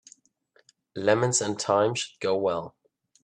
Lemons and thyme should go well.